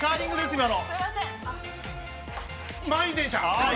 今の。